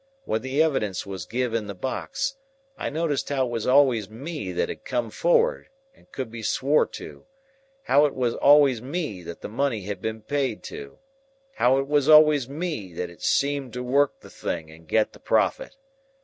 When the evidence was giv in the box, I noticed how it was always me that had come for'ard, and could be swore to, how it was always me that the money had been paid to, how it was always me that had seemed to work the thing and get the profit.